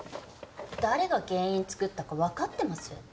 誰が原因作ったかわかってます？